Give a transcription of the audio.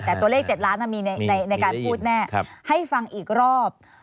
แต่ตัวเลข๗ล้านมีในการพูดแน่ให้ฟังอีกรอบ